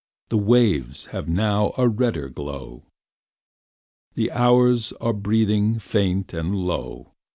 The waves have now a redder glow; The hours are breathing faint and low.